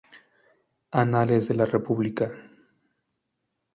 Anales de la República.